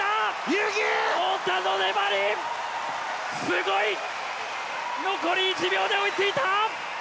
すごい！残り１秒で追い付いた！